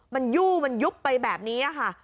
มันยู่มันยุบไปแบบนี้ค่ะ